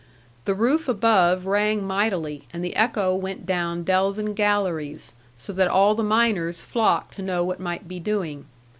The roof above rang mightily, and the echo went down delven galleries, so that all the miners flocked to know what might be doing.